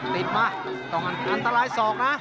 ติดมาต้องอันตรายศอกนะ